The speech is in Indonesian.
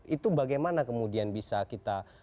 itu bagaimana kemudian bisa kita